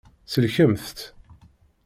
Sellkemt-tt.